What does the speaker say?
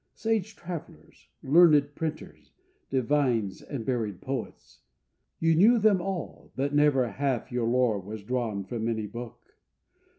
Sage travellers, learnèd printers, Divines and buried poets, You knew them all, but never half your lore Was drawn from any book.